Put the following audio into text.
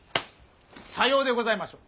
さようでございましょう。